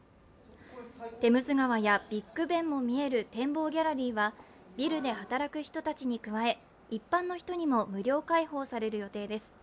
テムズ川やビッグ・ベンも見える展望ギャラリーはビルで働く人たちに加え一般の人にも無料開放される予定です。